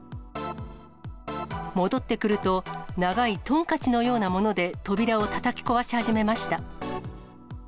戻ってくると、長いとんかちのようなもので扉をたたき壊し始めました。